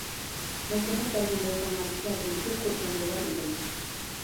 مەسلىھەت بەرگەن بولساڭلار سىلەردىن كۆپ خۇرسەن بولار ئىدىم.